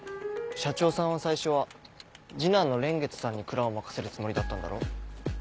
社長さんは最初は次男の蓮月さんに蔵を任せるつもりだったんだろ？